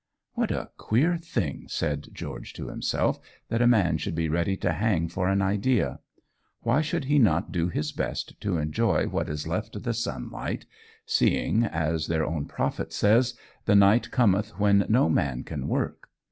"What a queer thing," said George to himself, "that a man should be ready to hang for an idea! Why should he not do his best to enjoy what is left of the sunlight, seeing, as their own prophet says, the night cometh when no man can work?